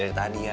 dari tadi ya